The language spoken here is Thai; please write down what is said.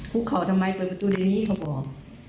คุกเข่าทำไมเปิดประตูในนี้เขาบอก